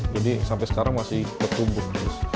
jadi sampai sekarang masih bertumbuh terus